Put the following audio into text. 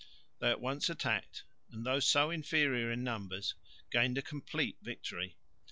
They at once attacked and though so inferior in numbers gained a complete victory.